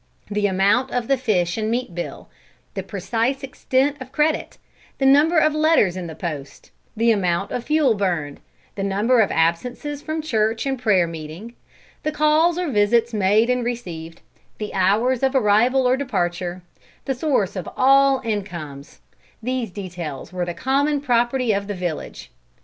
The amount of the fish and meat bill, the precise extent of credit, the number of letters in the post, the amount of fuel burned, the number of absences from church and prayer meeting, the calls or visits made and received, the hours of arrival or departure, the source of all incomes, these details were the common property of the village.